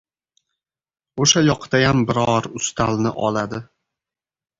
O‘sha yoqdayam biror ustalni oladi.